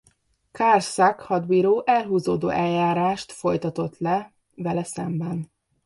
Karl Sack hadbíró elhúzódó eljárást folytatott le vele szemben.